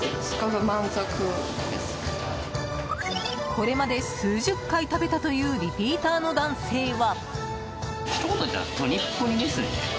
これまで数十回食べたというリピーターの男性は。